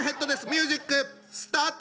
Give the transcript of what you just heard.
ミュージックスタート！